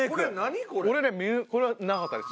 これはなかったです。